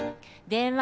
電話。